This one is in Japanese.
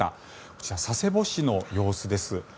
こちら佐世保市の様子です。